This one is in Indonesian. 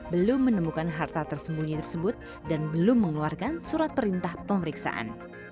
belum menemukan harta tersembunyi tersebut dan belum mengeluarkan surat perintah pemeriksaan